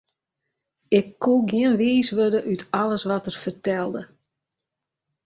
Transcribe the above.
Ik koe gjin wiis wurde út alles wat er fertelde.